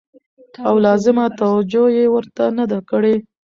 او لازمه توجع يې ورته نه ده کړې